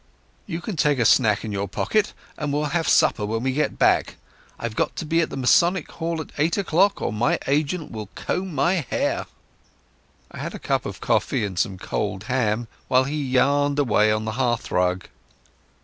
"You can take a snack in your pocket, and we'll have supper when we get back. I've got to be at the Masonic Hall at eight o'clock, or my agent will comb my hair." I had a cup of coffee and some cold ham, while he yarned away on the hearthrug.